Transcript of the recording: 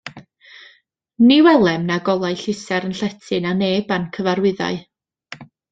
Ni welem na golau llusern llety na neb a'n cyfarwyddai.